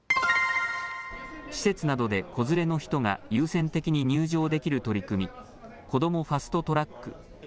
施設などで子連れの人が優先的に入場できる取り組みこどもファスト・トラック。